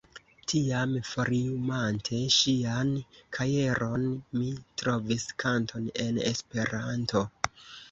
Tiam foliumante ŝian kajeron, mi trovis kanton en Esperanto.